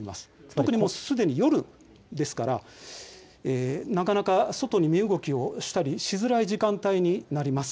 特に、すでに夜ですからなかなか外に身動きをしたりしづらい時間帯になります。